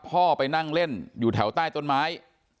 พ่อไปนั่งเล่นอยู่แถวใต้ต้นไม้